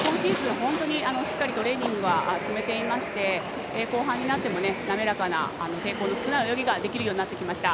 本当にしっかりトレーニングは詰めていまして後半になっても滑らかな抵抗の少ない泳ぎができるようになってきました。